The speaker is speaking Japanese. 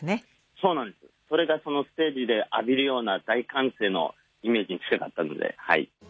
そうなんですそれがそのステージで浴びるような大歓声のイメージに近かったので。